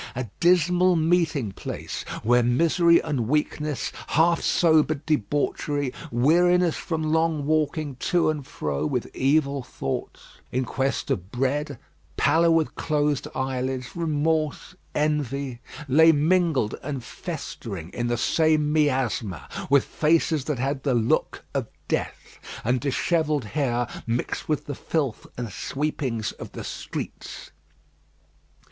A dismal meeting place, where misery and weakness, half sobered debauchery, weariness from long walking to and fro, with evil thoughts, in quest of bread, pallor with closed eyelids, remorse, envy, lay mingled and festering in the same miasma, with faces that had the look of death, and dishevelled hair mixed with the filth and sweepings of the streets.